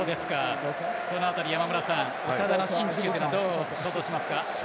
その辺り、長田の心中どう想像されますか？